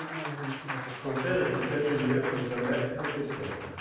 Son père était ingénieur et sa mère professeure.